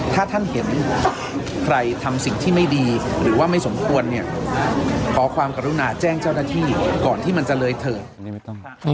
ถ้าท่านเห็นใครทำสิ่งที่ไม่ดีหรือว่าไม่สมควรเนี่ยขอความกรุณาแจ้งเจ้าหน้าที่ก่อนที่มันจะเลยเถิดนี่ไม่ต้อง